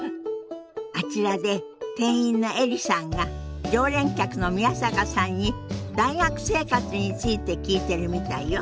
あちらで店員のエリさんが常連客の宮坂さんに大学生活について聞いてるみたいよ。